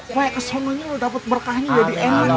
kok yang kesononya lu dapet berkahnya jadi emang